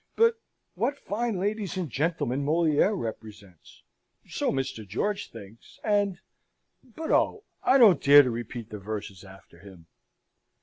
But what fine ladies and gentlemen Moliere represents so Mr. George thinks and but oh, I don't dare to repeat the verses after him."